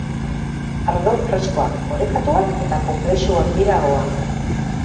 Ardo freskoak, orekatuak eta konplexuak dira ahoan.